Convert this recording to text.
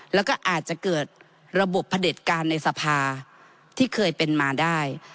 แล้วก็อาจจะเกิดระบบพระเด็จการในสภาที่เคยเป็นมาได้